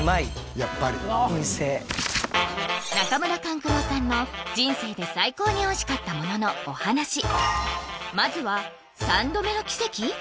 やっぱり中村勘九郎さんの人生で最高においしかったもののお話まずは三度目の奇跡！？